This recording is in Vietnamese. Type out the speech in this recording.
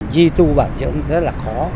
duy tu bảo dưỡng rất là khó